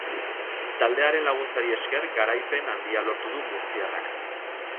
Taldearen laguntzari esker garaipen handia lortu du murtziarrak.